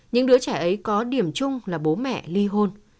những đứa trẻ ấy có điểm chung là bố mẹ ly hôn